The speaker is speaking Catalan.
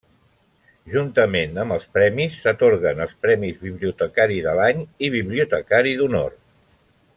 Juntament amb els premis, s'atorguen els premis Bibliotecari de l'any i bibliotecari d'honor.